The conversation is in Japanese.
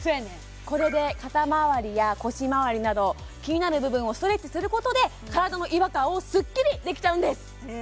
これで肩まわりや腰まわりなど気になる部分をストレッチすることで体の違和感をスッキリできちゃうんです